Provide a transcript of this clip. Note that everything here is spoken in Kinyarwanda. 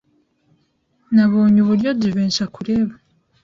Nabonye uburyo Jivency akureba.